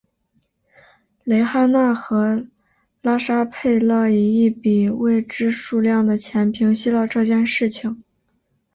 蕾哈娜和拉沙佩勒以一笔未知数量的钱平息了这件事情。